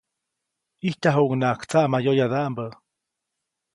ʼIjtyajuʼuŋnaʼajk tsaʼmayoyadaʼmbä.